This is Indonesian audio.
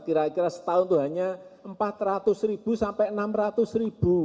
kira kira setahun itu hanya rp empat ratus sampai rp enam ratus